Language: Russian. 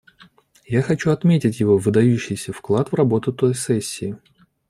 Я хочу отметить его выдающийся вклад в работу той сессии.